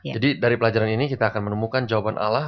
jadi dari pelajaran ini kita akan menemukan jawaban allah